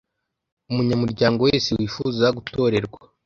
Umunyamuryango wese wifuza gutorerwa